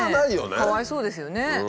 かわいそうですよね。